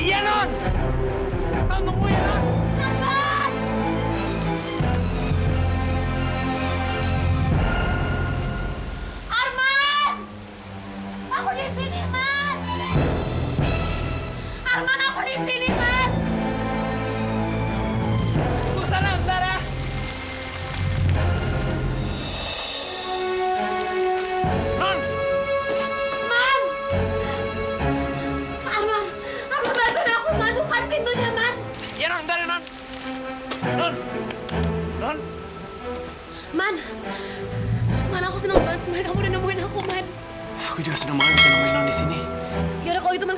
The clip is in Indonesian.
emang aku disini man lu kan pintunya mas sekarang